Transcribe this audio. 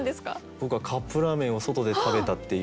僕はカップラーメンを外で食べたっていう。